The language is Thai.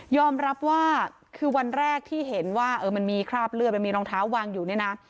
รับว่าคือวันแรกที่เห็นว่ามันมีคราบเลือดมันมีรองเท้าวางอยู่เนี่ยนะ